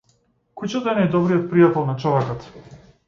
Кучето е најдобриот пријател на човекот.